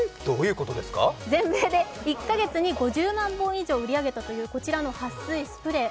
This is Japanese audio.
全米で１か月に５０万本以上売り上げたというはっ水スプレー。